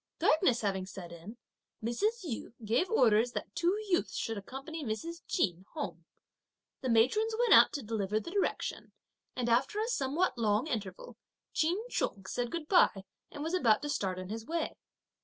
Darkness having set in, Mrs. Yu gave orders that two youths should accompany Mr. Ch'in home. The matrons went out to deliver the directions, and after a somewhat long interval, Ch'in Chung said goodbye and was about to start on his way.